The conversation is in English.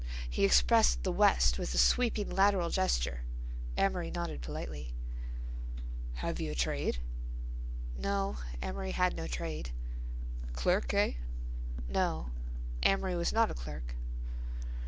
He expressed the West with a sweeping, lateral gesture. Amory nodded politely. "Have you a trade?" No—Amory had no trade. "Clerk, eh?" No—Amory was not a clerk.